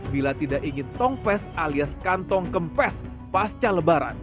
bila tidak ingin tongpes alias kantong kempes pasca lebaran